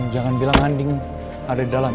jangan bilang handing ada di dalam